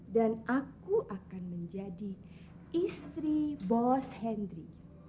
dan aku akan menjadi istri bos hendry